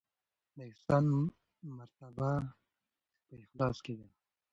د احسان مرتبه په اخلاص کې ده.